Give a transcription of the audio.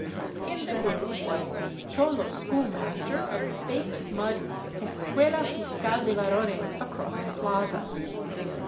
In the group was the cholo school master of the baked mud Es cuela Fiscal de Varones across the plaza.